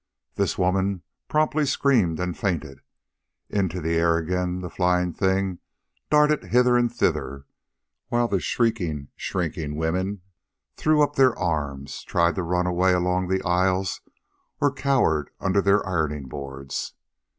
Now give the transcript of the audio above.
This woman promptly screamed and fainted. Into the air again, the flying thing darted hither and thither, while the shrieking, shrinking women threw up their arms, tried to run away along the aisles, or cowered under their ironing boards.